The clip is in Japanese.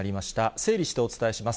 整理してお伝えします。